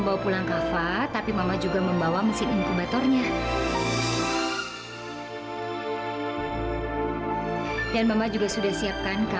wah lucu juga anaknya